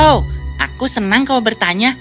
oh aku senang kalau bertanya